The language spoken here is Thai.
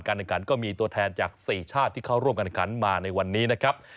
ขันก็มีตัวแทนจาก๔ชาติที่เข้าร่วมการขันมาในวันนี้นะครับ